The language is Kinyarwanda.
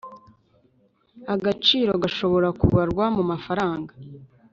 agaciro gashobora kubarwa mu mafaranga